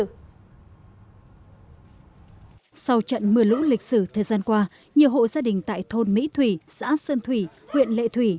sau trận mưa lũ lịch sử thời gian qua nhiều hộ gia đình tại thôn mỹ thủy xã sơn thủy huyện lệ thủy